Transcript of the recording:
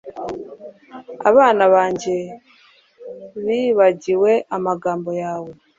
abana banjye bibagiwe amagambo yawe